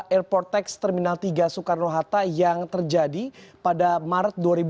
airport tax terminal tiga soekarno hatta yang terjadi pada maret dua ribu dua puluh